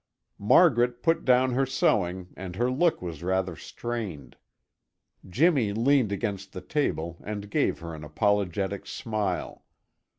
Margaret put down her sewing and her look was rather strained. Jimmy leaned against the table and gave her an apologetic smile.